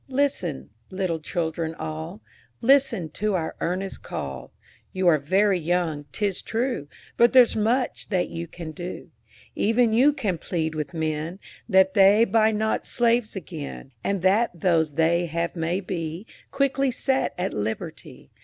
Listen, little children, all, Listen to our earnest call: You are very young, 'tis true, But there's much that you can do. Even you can plead with men That they buy not slaves again, And that those they have may be Quickly set at liberty.